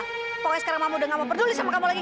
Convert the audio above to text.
pokoknya sekarang kamu udah gak mau peduli sama kamu lagi